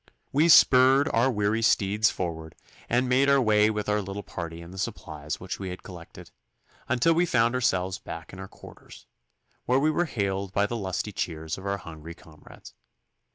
We spurred our weary steeds forward, and made our way with our little party and the supplies which we had collected, until we found ourselves back in our quarters, where we were hailed by the lusty cheers of our hungry comrades.